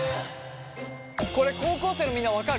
これ高校生のみんな分かる？